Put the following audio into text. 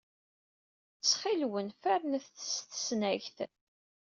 Ttxil-wen, fernet s tesnagt.